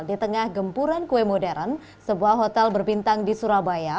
di tengah gempuran kue modern sebuah hotel berbintang di surabaya